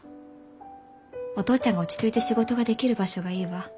お父ちゃんが落ち着いて仕事ができる場所がいいわ。